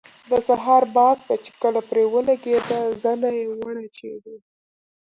د سهار باد به چې کله پرې ولګېده زنې یې وړچېدې.